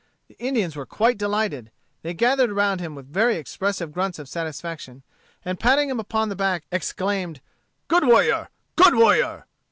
The Indians were quite delighted. They gathered around him with very expressive grunts of satisfaction, and patting him upon the back, exclaimed, "Good warrior! Good warrior!"